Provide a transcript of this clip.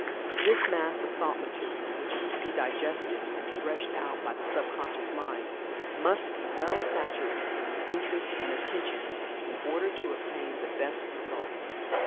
This mass of thought material which is to be digested, and threshed out by the sub conscious mind, must be well saturated with interest and attention, in order to obtain the best results.